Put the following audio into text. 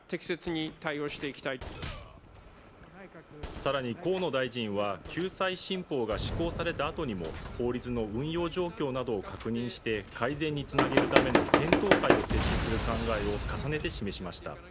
さらに、河野大臣は救済新法が施行された後にも法律の運用状況などを確認して改善につなげるための検討会を設置する考えを重ねて示しました。